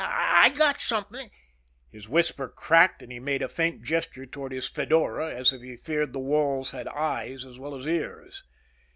I got something " His whisper cracked and he made a faint gesture toward his fedora as if he feared the walls had eyes as well as ears.